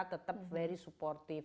tetap sangat mendukung